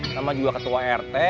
sama juga ketua rt